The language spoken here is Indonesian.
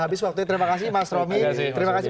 habis waktunya terima kasih mas romi terima kasih